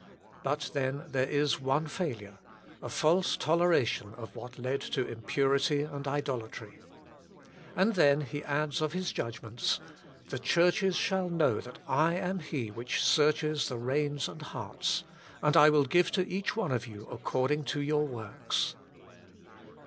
But then there is one failure: a false toleration of what led to impurity and 154 Working for God idolatry. And then He adds of His judg ments :' the churches shall know that I am He which searches the reins and hearts; and / will give to each one of you accord ing to your zvorks.'